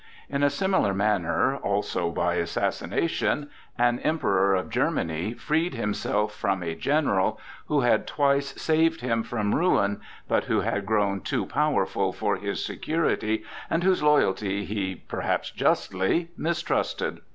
In a similar manner, also by assassination, an Emperor of Germany freed himself from a general who had twice saved him from ruin, but who had grown too powerful for his security, and whose loyalty he (perhaps justly) mistrusted.